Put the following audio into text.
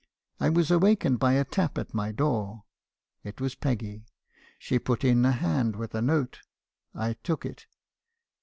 I was awakened by a tap at my door. It was Peggy: she put in a hand with a note. I took it.